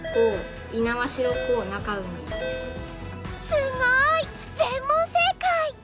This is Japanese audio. すごい！全問正解。